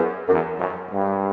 nih bolok ke dalam